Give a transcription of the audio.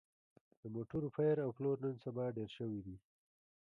د موټرو پېر او پلور نن سبا ډېر شوی دی